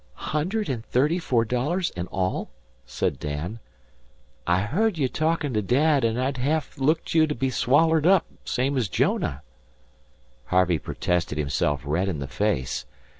"Hundred an' thirty four dollars an' all?" said Dan. "I heard ye talkin' to Dad, an' I ha'af looked you'd be swallered up, same's Jonah." Harvey protested himself red in the face.